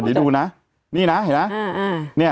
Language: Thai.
แต่หนูจะเอากับน้องเขามาแต่ว่า